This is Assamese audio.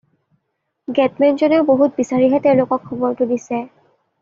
গেটমেন জনেও বহুত বিচাৰিহে তেওঁলোকক খবৰটো দিছে।